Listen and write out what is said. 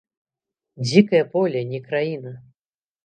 Дзікае поле, не краіна!